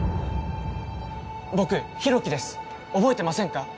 僕大樹です覚えてませんか？